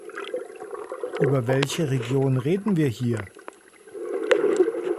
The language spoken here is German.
Über welche Region reden wir hier?